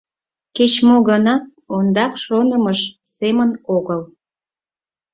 Кеч-мо гынат ондак шонымыж семын огыл.